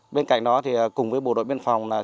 bên cạnh đó thì cùng với bộ đội biên phòng